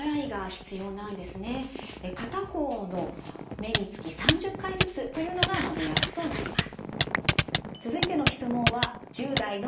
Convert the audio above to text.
片方の目につき３０回ずつというのが目安となります。